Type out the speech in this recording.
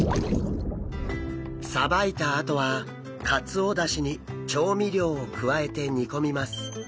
さばいたあとはカツオだしに調味料を加えて煮込みます。